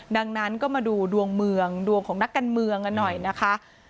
ดังนั้นก็มาดูดวงเมืองดวงของนักการเมืองกันหน่อยนะคะ